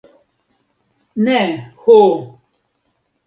Ne, ho!